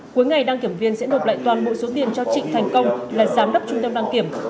cuối ngày đăng kiểm viên sẽ nộp lại toàn bộ số tiền cho trịnh thành công là giám đốc trung tâm đăng kiểm